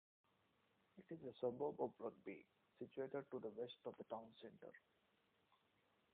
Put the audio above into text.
It is a suburb of Rugby, situated to the west of the town centre.